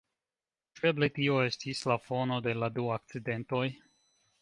Ĉu eble tio estis la fono de la du akcidentoj?